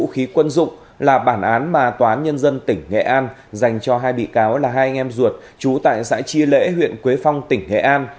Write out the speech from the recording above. vũ khí quân dụng là bản án mà tòa án nhân dân tỉnh nghệ an dành cho hai bị cáo là hai anh em ruột trú tại xã chia lễ huyện quế phong tỉnh nghệ an